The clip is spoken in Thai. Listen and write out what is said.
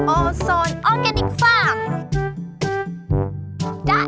ออสนออร์แกนิกฟ่า